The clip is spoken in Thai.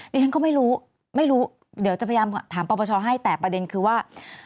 ดิฉันก็ไม่รู้ไม่รู้เดี๋ยวจะพยายามถามปปชให้แต่ประเด็นคือว่า